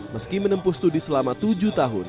meski menempuh studi selama tujuh tahun